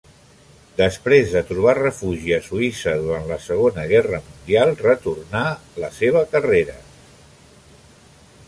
Després de trobar refugi a Suïssa durant la Segona Guerra Mundial, retornà la seva carrera.